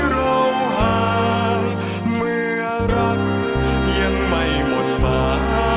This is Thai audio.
เราห่างเมื่อรักยังไม่หมดมา